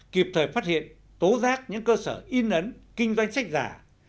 kịp thời phát hiện tố giác những cơ sở in ấn kinh doanh sách giả